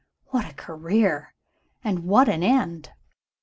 What a career! and what an end!